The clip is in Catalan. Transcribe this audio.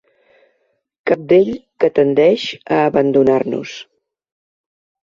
Cabdell que tendeix a abandonar-nos.